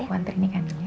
aku antar ini kak